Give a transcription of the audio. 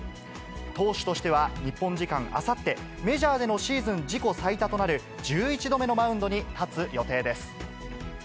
投手としては日本時間あさって、メジャーでのシーズン自己最多となる１１度目のマウンドに立つ予定です。